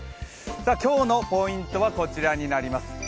今日のポイントはこちらになります。